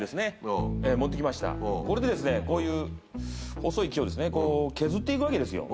持って来ましたこれでこういう細い木をこう削って行くわけですよ。